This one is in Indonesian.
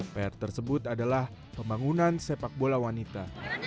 pr tersebut adalah pembangunan sepak bola wanita